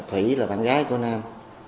thủy là bạn gái của nam